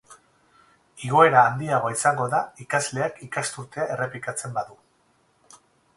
Igoera handiagoa izango da ikasleak ikasturtea errepikatzen badu.